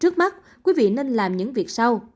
trước mắt quý vị nên làm những việc sau